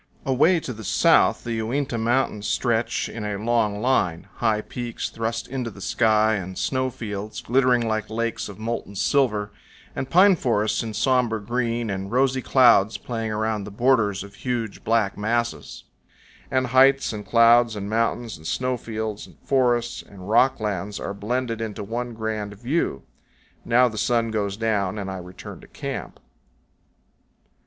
Away to the south the Uinta Mountains stretch in a long line, high peaks thrust into the sky, and snow fields glittering like lakes of molten silver, and pine forests in somber green, and rosy clouds playing around the borders of huge, black masses; and heights and clouds and mountains and snow fields and forests and rock lands are blended into one grand view. Now the sun goes down, and I return to camp.